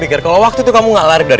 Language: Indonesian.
bikin gue yang tawarin kamu maju kan